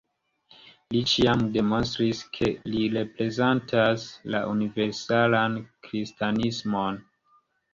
Li ĉiam demonstris, ke li reprezentas la universalan kristanismon.